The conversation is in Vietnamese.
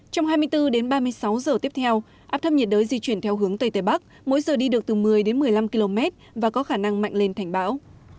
trong hai mươi bốn đến ba mươi sáu giờ tiếp theo áp thấp nhiệt đới di chuyển theo hướng tây tây bắc mỗi giờ đi được từ một mươi đến một mươi năm km và có khả năng mạnh lên thành bão